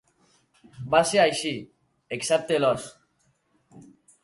Va ser així... excepte l'os.